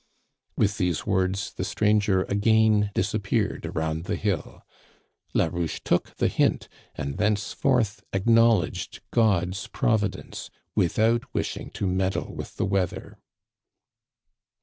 " With these words, the stranger again disappeared around the hill. " Larouche took the hint, and thenceforth acknowl edged God's providence, without wishing to meddle with the weather."